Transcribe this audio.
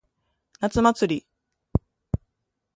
夏祭り。